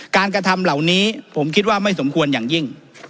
กระทำเหล่านี้ผมคิดว่าไม่สมควรอย่างยิ่ง